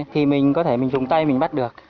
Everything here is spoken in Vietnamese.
thì mình có thể dùng tay mình bắt được